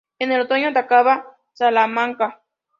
En el otoño, atacaba Salamanca.